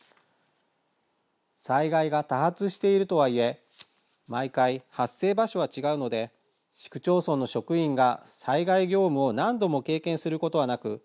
災害が多発しているとはいえ毎回、発生場所は違うので市区町村の職員が災害業務を何度も経験することはなく